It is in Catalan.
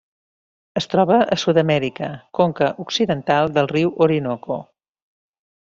Es troba a Sud-amèrica: conca occidental del riu Orinoco.